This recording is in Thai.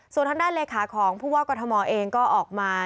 ส่วนทางด้านเลขาของผู้ว่ากรทมเองก็ออกมา